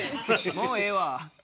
もうええわ！